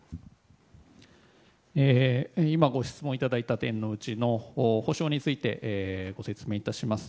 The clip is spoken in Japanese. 今ご質問いただいた点のうちの補償について、ご説明いたします。